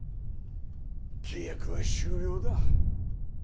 契約は終了だ。